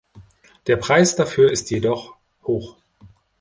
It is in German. Der Preis dafür ist jedoch hoch.